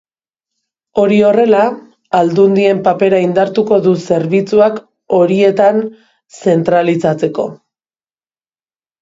Hori horrela, aldundien papera indartuko du zerbitzuak horietan zentralizatzeko.